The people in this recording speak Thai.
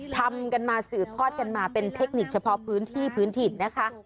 ทำกันมาสืบทอดกันมาเป็นเทคนิคเฉพาะพื้นที่พื้นถิ่นนะคะ